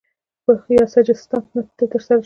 یا سجستان ته ترسره شوی